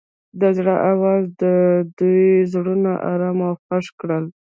د زړه اواز د دوی زړونه ارامه او خوښ کړل.